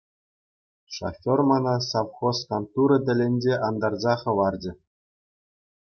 Шофер мана совхоз кантурӗ тӗлӗнче антарса хӑварчӗ.